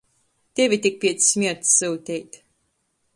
Tevi tik piec smierts syuteit.